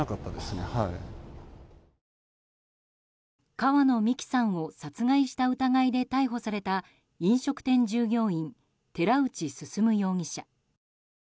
川野美樹さんを殺害した疑いで逮捕された飲食店従業員、寺内進容疑者。